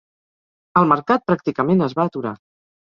El mercat pràcticament es va aturar.